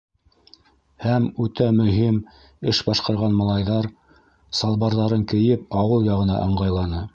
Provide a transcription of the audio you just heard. Һәм үтә мөһим эш башҡарған малайҙар, салбарҙарын кейеп, ауыл яғына ыңғайланы.